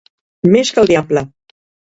Més que el diable.